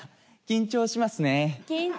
緊張しますね。